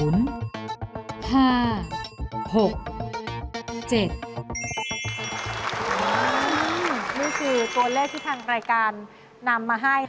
นี่คือตัวเลขที่ทางรายการนำมาให้ค่ะ